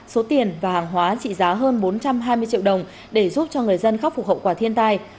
số tiền và hàng hóa trị giá hơn bốn trăm hai mươi triệu đồng để giúp cho người dân khắc phục hậu quả thiên tai